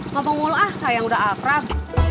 ngomong mulu ah sayang udah akrab